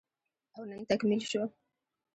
او نن تکميل شو